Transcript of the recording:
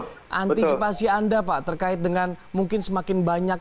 jadi antisipasi anda pak terkait dengan mungkin semakin banyak